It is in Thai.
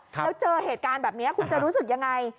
แล้วเจอเหตุการณ์แบบนี้คุณจะรู้สึกยังไง